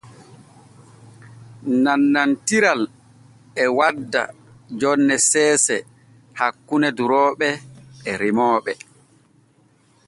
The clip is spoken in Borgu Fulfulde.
Nannantiral e wadda jonne seese hakkune durooɓe e remooɓe.